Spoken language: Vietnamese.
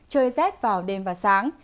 trời rét vào đêm và sáng